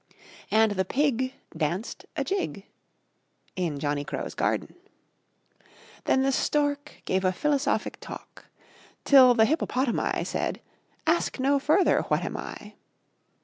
And the Pig Danced a Jig In Johnny Crow's Garden. Then the Stork Gave a Philosophic Talk Till the Hippopotami Said: "Ask no further 'What am I?'"